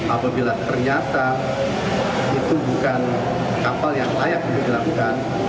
apabila ternyata itu bukan kapal yang layak untuk dilakukan